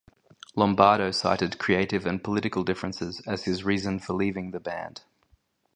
Lombardo cited "creative and political differences" as his reason for leaving the band.